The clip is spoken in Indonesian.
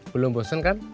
belum bosen kan